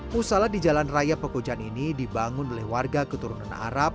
musala di jalan raya pekojan ini dibangun oleh warga keturunan arab